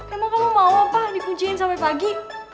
emang kamu mau apa dikunciin sampe pagi